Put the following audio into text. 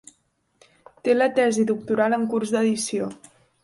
Té la tesi doctoral en curs d'edició.